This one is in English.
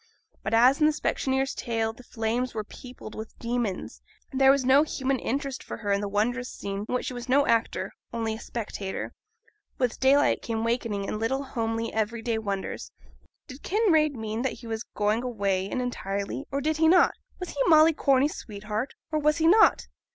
But, as in the specksioneer's tale the flames were peopled with demons, there was no human interest for her in the wondrous scene in which she was no actor, only a spectator. With daylight came wakening and little homely every day wonders. Did Kinraid mean that he was going away really and entirely, or did he not? Was he Molly Corney's sweetheart, or was he not?